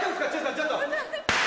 ちょっと。